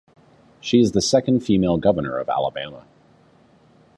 She is the second female governor of Alabama.